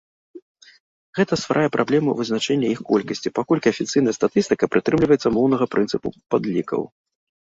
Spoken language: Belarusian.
Гэта стварае праблему вызначэння іх колькасці, паколькі афіцыйная статыстыка прытрымліваецца моўнага прынцыпу падлікаў.